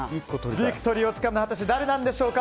ビクトリーをつかむのは果たして誰なんでしょうか。